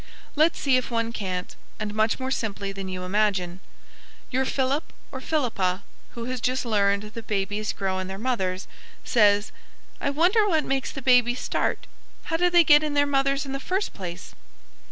Let's see if one can't, and much more simply than you imagine. Your Philip, or Philippa, who has just learned that babies grow in their mothers, says: "I wonder what makes the babies start. How do they get in their mothers in the first place?"